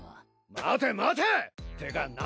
待て待て！ってかな